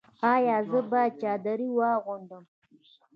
ایا زه باید چادري واغوندم؟